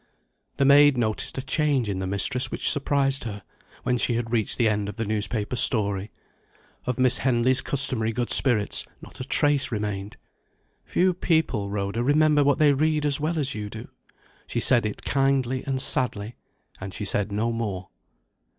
The maid noticed a change in the mistress which surprised her, when she had reached the end of the newspaper story. Of Miss Henley's customary good spirits not a trace remained. "Few people, Rhoda, remember what they read as well as you do." She said it kindly and sadly and she said no more.